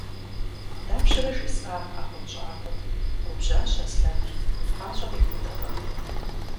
– Дапщэрэ жесӀа а хъунщӀакӀуэм, – губжьащ Аслъэныр, и пащӀэр иритӀэурэ.